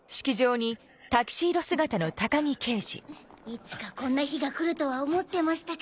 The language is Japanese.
いつかこんな日が来るとは思ってましたけど。